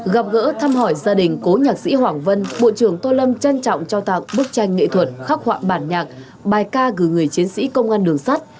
gặp gỡ thăm hỏi gia đình cố nhạc sĩ hoàng vân bộ trưởng tô lâm trân trọng trao tặng bức tranh nghệ thuật khắc họa bản nhạc bài ca gửi người chiến sĩ công an đường sắt